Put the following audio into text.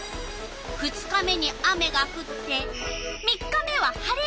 ２日目に雨がふって３日目は晴れる。